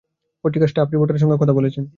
পত্রিকার স্টাফ রিপোর্টারের সঙ্গে কথা বলেছেন।